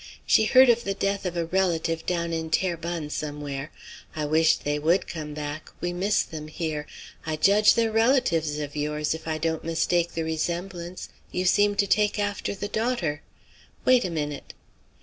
She heard of the death of a relative down in Terrebonne somewhere. I wish they would come back; we miss them here; I judge they're relatives of yours, if I don't mistake the resemblance; you seem to take after the daughter; wait a minute."